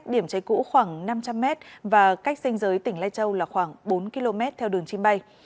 điểm cháy cũ khoảng năm trăm linh m và cách xanh giới tỉnh lai châu là khoảng bốn km theo đường chim bay